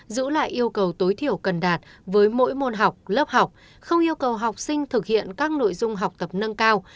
giữ lại yêu cầu tối thiểu cần đạt với mỗi môn học lớp học không yêu cầu học sinh thực hiện các nội dung học tập nâng cao